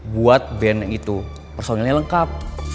buat band itu personilnya lengkap